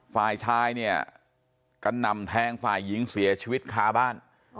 ฝ่ายชายเนี่ยกระหน่ำแทงฝ่ายหญิงเสียชีวิตคาบ้าน